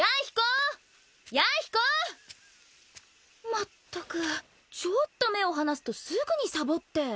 まったくちょっと目を離すとすぐにサボって。